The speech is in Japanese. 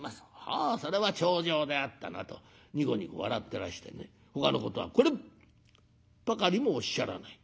『ああそれは重畳であったな』とにこにこ笑ってらしてねほかのことはこれっぱかりもおっしゃらない。